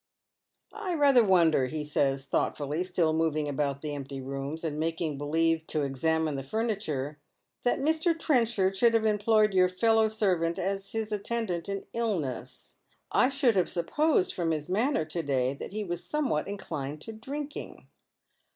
" I rather wonder," ho says, thoughtfully, still moving about ^he empty rooms, and making beheve to examine the furniture, ^that Mjt. Trencbard should have employed your fellow servant Alexis Investigate. 349 &d his attendant in illness. I should have supposed from hia manner to day that he was somewhat inclined to drinkdiag."